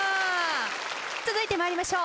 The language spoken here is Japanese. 続いて参りましょう。